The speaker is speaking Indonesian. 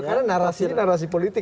karena narasi ini narasi politik